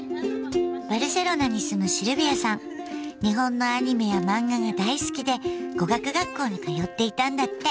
バルセロナに住む日本のアニメやマンガが大好きで語学学校に通っていたんだって。